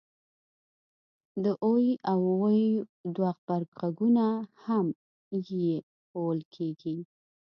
د oy او uy دوه غبرګغږونه هم په ی ښوول کېږي